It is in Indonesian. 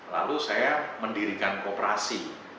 lalu saya mendirikan koperasi